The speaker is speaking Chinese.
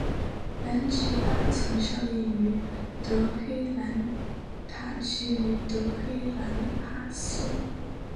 兰吉巴曾效力于德黑兰塔吉于德黑兰帕斯。